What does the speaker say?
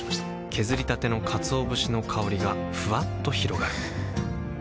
削りたてのかつお節の香りがふわっと広がるはぁ。